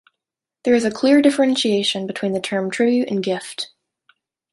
There is a clear differentiation between the term "tribute" and "gift.